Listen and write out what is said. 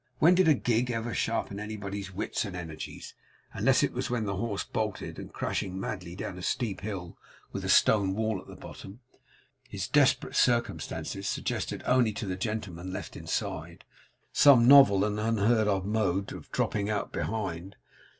When did a gig ever sharpen anybody's wits and energies, unless it was when the horse bolted, and, crashing madly down a steep hill with a stone wall at the bottom, his desperate circumstances suggested to the only gentleman left inside, some novel and unheard of mode of dropping out behind?